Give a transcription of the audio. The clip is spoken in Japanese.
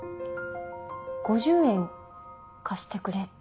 「５０円貸してくれ」